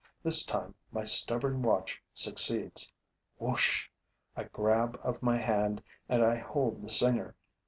This time, my stubborn watch succeeds. Whoosh! A grab of my hand and I hold the singer.